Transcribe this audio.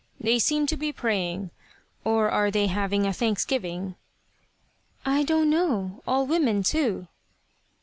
They seem to be praying. Or are they having a thanksgiving?" "I don't know. All women, too!"